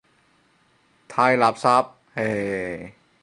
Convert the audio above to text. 太垃圾，唉。